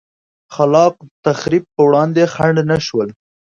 خلا ق تخریب پر وړاندې خنډ نه شول.